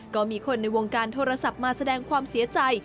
ก็มีคนในวงการโทรศัพท์มาแสดงความเสียใจ